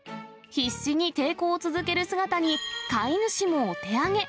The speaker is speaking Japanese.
必死に抵抗を続ける姿に、飼い主もお手上げ。